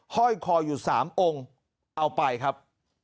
ห้อยคออยู่๓องค์เอาไปครับ